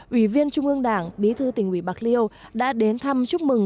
ủy viên trung ương đảng bí thư tỉnh ủy bạc liêu đã đến thăm chúc mừng